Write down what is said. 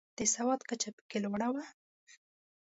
د سواد کچه پکې لوړه وه.